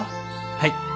はい。